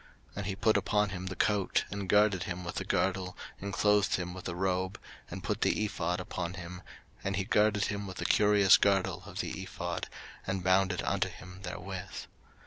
03:008:007 And he put upon him the coat, and girded him with the girdle, and clothed him with the robe, and put the ephod upon him, and he girded him with the curious girdle of the ephod, and bound it unto him therewith.